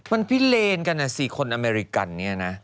มันพิเลนกันนะสิคนอเมริกันเนี่ยนะ